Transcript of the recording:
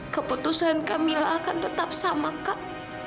keputusan kami akan tetap sama kak